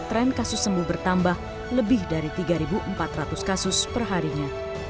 tren kasus sembuh bertambah lebih dari tiga empat ratus kasus perharinya